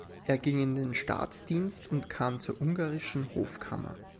Er ging in den Staatsdienst und kam zur ungarischen Hofkammer.